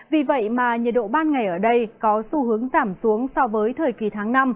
vì vậy mà nhiệt độ ban ngày ở đây có xu hướng giảm xuống so với thời kỳ tháng năm